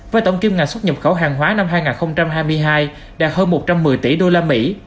với tổng kiếm ngành xuất nhập khẩu hàng hóa năm hai nghìn hai mươi hai đạt hơn một trăm một mươi tỷ usd